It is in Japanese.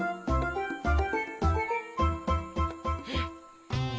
うん。